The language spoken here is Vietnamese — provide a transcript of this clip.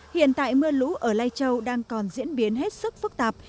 hiện tại mưa lũ ở lai châu đang còn diễn biến hết sức phức tạp